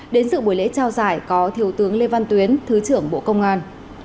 đến sự buổi lễ trao giải có thiếu tướng lê văn tuyến thứ trưởng bộ công an